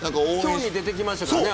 興味出てきましたからね。